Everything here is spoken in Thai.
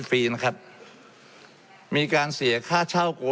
และมีผลกระทบไปทุกสาขาอาชีพชาติ